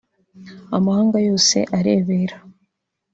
amahanga yose arebera